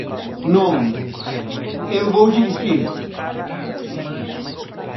Non, eu voulle dicir.